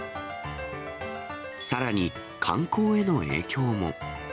さらに観光への影響も。